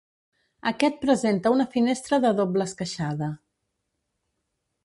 Aquest presenta una finestra de doble esqueixada.